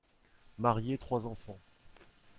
Mariée, trois enfants.